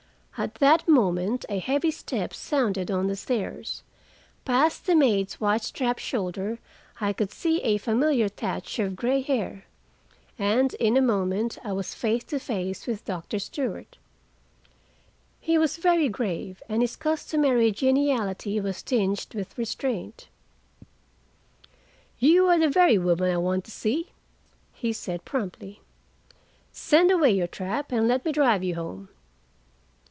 At that moment a heavy step sounded on the stairs. Past the maid's white strapped shoulder I could see a familiar thatch of gray hair, and in a moment I was face to face with Doctor Stewart. He was very grave, and his customary geniality was tinged with restraint. "You are the very woman I want to see," he said promptly. "Send away your trap, and let me drive you home.